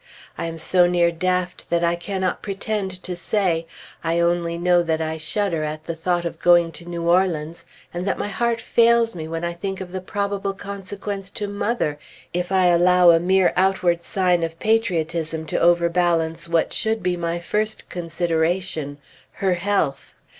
I am so near daft that I cannot pretend to say; I only know that I shudder at the thought of going to New Orleans, and that my heart fails me when I think of the probable consequence to mother if I allow a mere outward sign of patriotism to overbalance what should be my first consideration her health.